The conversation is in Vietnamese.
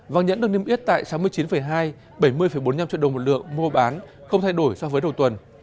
vàng nhẫn được niêm yết tại sáu mươi chín hai bảy mươi bốn mươi năm triệu đồng một lượng mua bán không thay đổi so với đầu tuần